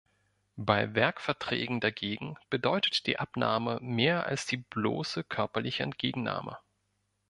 Bei Werkverträgen dagegen bedeutet die Abnahme mehr als die bloße körperliche Entgegennahme.